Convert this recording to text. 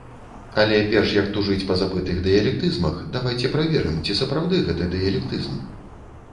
Але перш, як тужыць па забытых дыялектызмах, давайце праверым, ці сапраўды гэта дыялектызм.